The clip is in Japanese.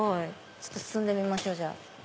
ちょっと進んでみましょう。